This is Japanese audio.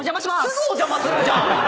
すぐお邪魔するじゃん。